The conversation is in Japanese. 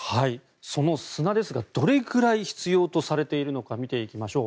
その砂ですがどれくらい必要とされているのか見ていきましょう。